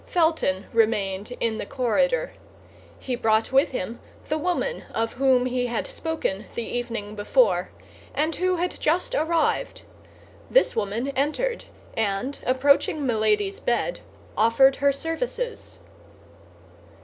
Felton remained in the corridor. He brought with him the woman of whom he had spoken the evening before, and who had just arrived; this woman entered, and approaching Milady's bed, offered her services.